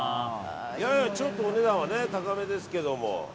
ややちょっとお値段は高めですけども。